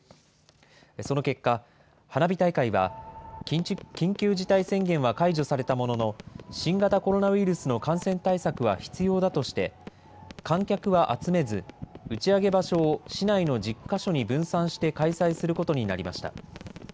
その結果、花火大会は緊急事態宣言は解除されたものの、新型コロナウイルスの感染対策は必要だとして、観客は集めず、打ち上げ場所を市内の１０か所に分散して開催することになりました。